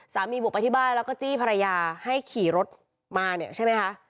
บุกไปที่บ้านแล้วก็จี้ภรรยาให้ขี่รถมาเนี่ยใช่ไหมคะ